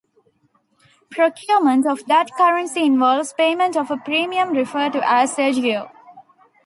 Procurement of that currency involves payment of a premium referred to as agio.